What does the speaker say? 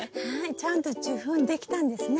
ちゃんと受粉できたんですね。